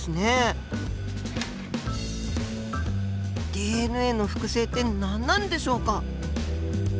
ＤＮＡの複製って何なんでしょうか。